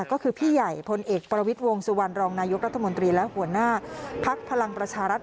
ก็คือพี่ใหญ่พลเอกประวิทย์วงสุวรรณรองนายกรัฐมนตรีและหัวหน้าภักดิ์พลังประชารัฐ